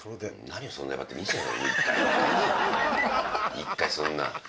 １回そんな。